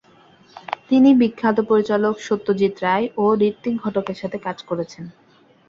তিনি বিখ্যাত পরিচালক সত্যজিৎ রায় ও ঋত্বিক ঘটকের সাথে কাজ করেছেন।